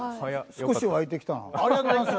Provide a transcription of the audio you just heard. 少し湧いてきた。